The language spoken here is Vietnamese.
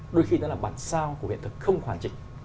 đôi khi nó là bản sao của hiện thực không hoàn chỉnh